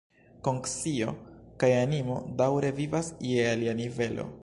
Konscio kaj animo daŭre vivas je alia nivelo.